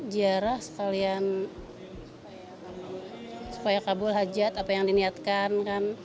ziarah sekalian supaya kabul hajat apa yang diniatkan